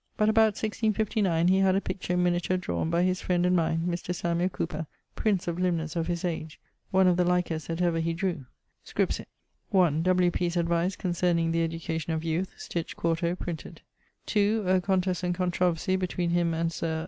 But about 1659, he had a picture in miniture drawne by his friend and mine, Mr. Samuel Cowper (prince of limners of his age), one of the likest that ever he drew. Scripsit: 1. W. P.'s Advice concerning the Education of Youth, sticht, 4to, printed. 2. [A contest and controversie between him and Sir